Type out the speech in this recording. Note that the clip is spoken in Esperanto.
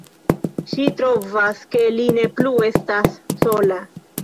Ŝi trovas, ke li ne plu estas sola.